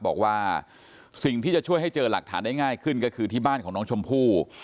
บอกว่าสิ่งที่จะช่วยให้เจอหลักฐานได้ง่ายขึ้นก็คือที่บ้านของน้องชมพู่